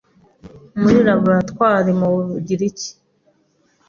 muri laboratwari mu Bugiriki